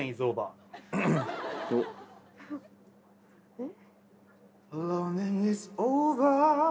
えっ？